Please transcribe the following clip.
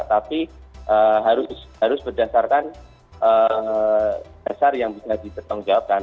tapi harus berdasarkan dasar yang bisa dipertanggungjawabkan